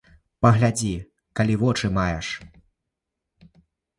Паглядзі, калі вочы маеш.